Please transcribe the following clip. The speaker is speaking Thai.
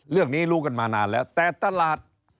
เรื่องนี้รู้กันมานานแล้วแต่ตลาด